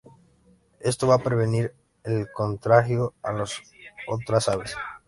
Esto para prevenir el contagio a las otras aves.